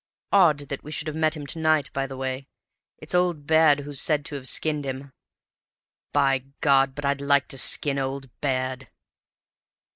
Odd that we should have met him to night, by the way; it's old Baird who's said to have skinned him. By God, but I'd like to skin old Baird!"